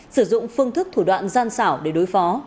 sử dụng phương thức thủ đoạn gian xảo để đối phó